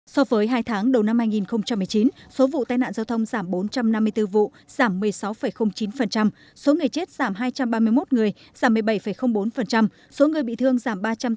so với hai tháng đầu năm hai nghìn một mươi chín số vụ tai nạn giao thông giảm bốn trăm năm mươi bốn vụ giảm một mươi sáu chín số người chết giảm hai trăm ba mươi một người giảm một mươi bảy bốn